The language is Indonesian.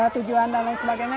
tujuan dan lain sebagainya